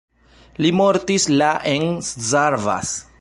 Li mortis la en Szarvas.